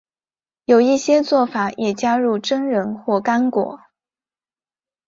有一些做法也加入榛仁或干果。